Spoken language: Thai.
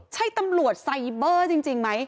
ใช่ตำรวจไซเบอร์จริงไหม